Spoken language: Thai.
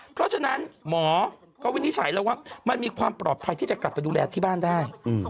เพราะฉะนั้นหมอก็วินิจฉัยแล้วว่ามันมีความปลอดภัยที่จะกลับไปดูแลที่บ้านได้